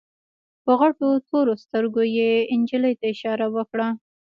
په غټو تورو سترګو يې نجلۍ ته اشاره وکړه.